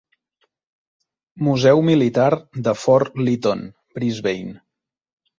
Museu Militar de Fort Lytton, Brisbane.